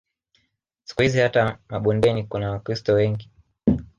Siku hizi hata mabondeni kuna Wakristo wengi